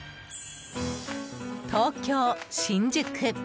東京・新宿。